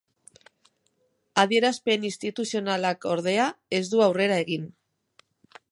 Adierazpen instituzionalak, ordea, ez du aurrera egin.